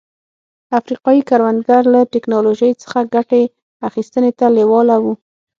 افریقايي کروندګر له ټکنالوژۍ څخه ګټې اخیستنې ته لېواله وو.